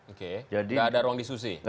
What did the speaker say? oke tidak ada ruang diskusi